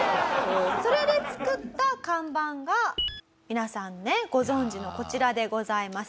それで作った看板が皆さんねご存じのこちらでございます。